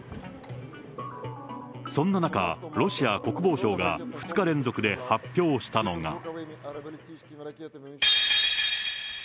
そんな中、ロシア国防省が２日連続で発表したのが。